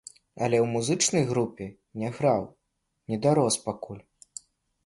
Але ў музычнай групе не граў, не дарос пакуль.